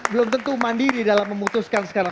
belum tentu mandiri dalam memutuskan sekarang